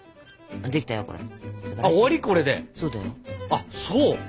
あっそう。